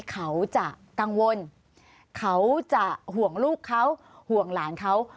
เขาจะกังวลเขาจะห่วงลูกเขาห่วงหลานเขา